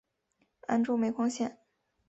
安州煤矿线